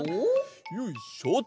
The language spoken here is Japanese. よいしょと。